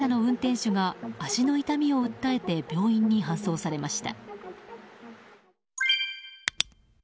この事故で、軽乗用車の運転手が足の痛みを訴えて病院に搬送されました。